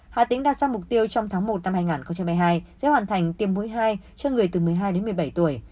hà tĩnh đạt ra mục tiêu trong tháng một năm hai nghìn hai mươi hai sẽ hoàn thành tiêm mũi hai cho người từ một mươi hai đến một mươi bảy tuổi